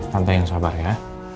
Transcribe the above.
tante yang sabar ya